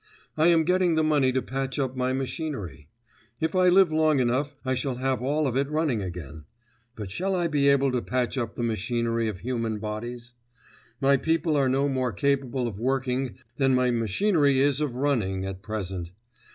I am getting the money to patch up my machinery; if I live long enough, I shall have all of it running again. But shall I be able ito patch up the machinery of human bodies? My people are no more capable of working than my machinery is of running at present.